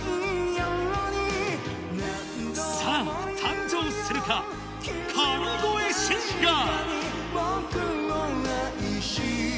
さあ、誕生するか、神声シンガー。